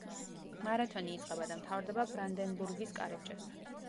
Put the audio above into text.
მარათონი იწყება და მთავრდება ბრანდენბურგის კარიბჭესთან.